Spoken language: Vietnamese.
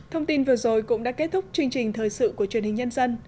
thông tin vừa rồi cũng đã kết thúc chương trình thời sự của truyền hình nhân dân